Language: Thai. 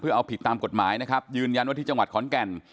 เอาผิดตามกฎหมายนะครับยืนยันว่าที่จังหวัดขอนแก่น